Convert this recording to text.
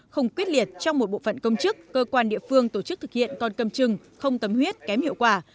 không quyết liệt trong một bộ phận công chức cơ quan địa phương tổ chức thực hiện còn cầm chừng không tâm huyết kém hiệu quả